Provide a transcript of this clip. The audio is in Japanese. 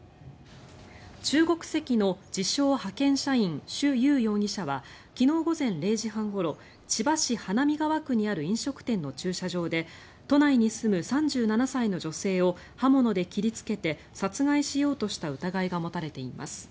中国籍の自称・派遣社員シュ・ユウ容疑者は昨日午前０時半ごろ千葉市花見川区にある飲食店の駐車場で都内に住む３７歳の女性を刃物で切りつけて殺害しようとした疑いが持たれています。